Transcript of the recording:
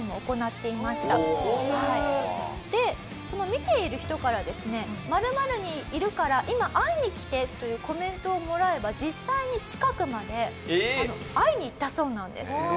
その見ている人からですね「○○にいるから今会いに来て」というコメントをもらえば実際に近くまで会いに行ったそうなんです。